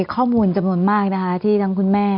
ข้อมูลจำนวนมากทันที่คุณแม่